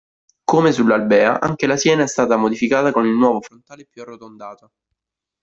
Come sull'Albea anche la Siena è stata modificata con il nuovo frontale più arrotondato.